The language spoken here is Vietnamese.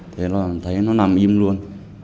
thấy nó nằm im luôn